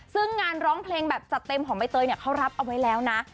ซึ่งงานร้องเพลงแบบจัดเต็มของใบเตยเนี่ยเขารับเอาไว้แล้วนะ